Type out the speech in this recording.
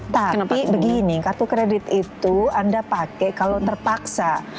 tapi begini kartu kredit itu anda pakai kalau terpaksa